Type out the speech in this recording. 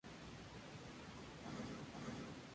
Otro dibujo de Da Vinci, "Jefe grotesco", era cubrir el disco.